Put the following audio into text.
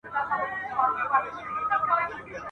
لا ورته ګوري سره اورونه د سکروټو دریاب !.